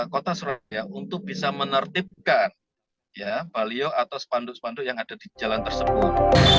kota surabaya untuk bisa menertibkan baliho atau spanduk spanduk yang ada di jalan tersebut